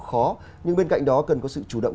khó nhưng bên cạnh đó cần có sự chủ động